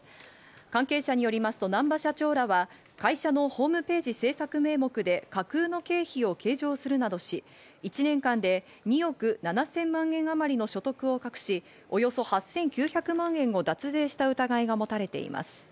関係者によりますと難波社長らは会社のホームページ制作名目で架空の経費を計上するなどし１年間で２億７０００万円あまりの所得を隠し、およそ８９００万円を脱税した疑いがもたれています。